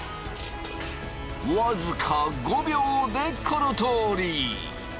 僅か５秒でこのとおり！